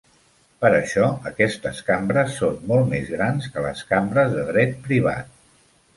Per això, aquestes cambres són molt més grans que les cambres de dret privat.